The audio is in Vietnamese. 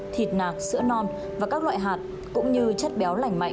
thịt nạc sữa non và các loại hạt cũng như chất béo lành mạnh